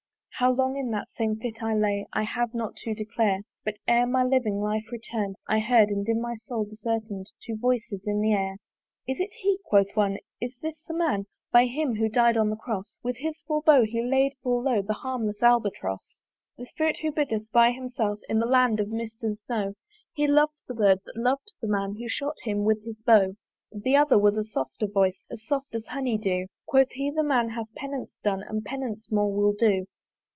How long in that same fit I lay, I have not to declare; But ere my living life return'd, I heard and in my soul discern'd Two voices in the air, "Is it he?" quoth one, "Is this the man? "By him who died on cross, "With his cruel bow he lay'd full low "The harmless Albatross. "The spirit who 'bideth by himself "In the land of mist and snow, "He lov'd the bird that lov'd the man "Who shot him with his bow." The other was a softer voice, As soft as honey dew: Quoth he the man hath penance done, And penance more will do.